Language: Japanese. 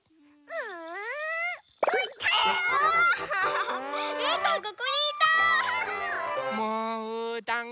うん。